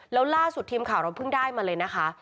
แล้วล่าสุดทีมข่าวเราเพิ่งได้มาเลยนะคะ